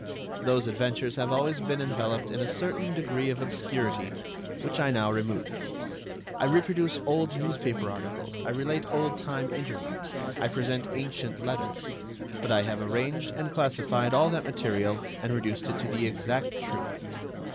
Those adventures have always been enveloped in a certain degree of obscurity, which I now remove. I reproduce old newspaper articles, I relate old time interviews, I present ancient letters; but I have arranged and classified all that material and reduced it to the exact truth.